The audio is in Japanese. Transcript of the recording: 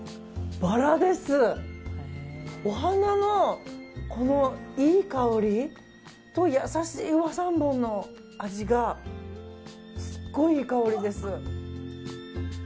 お花のこのいい香りと優しい和三盆の味がすごいいい香りです。